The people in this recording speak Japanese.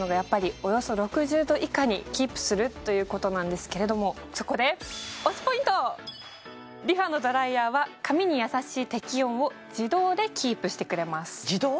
およそ６０度以下にキープするということなんですけれどもそこでＲｅＦａのドライヤーは髪にやさしい適温を自動でキープしてくれます